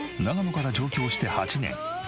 長野から上京して８年。